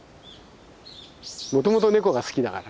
もともと猫が好きだから。